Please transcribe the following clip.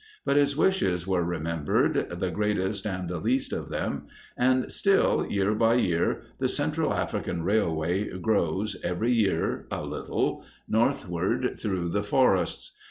But his wishes were remembered, the greatest and the least of them; and still, year by year, the Central African Railway grows, every year a little, northward through the forests.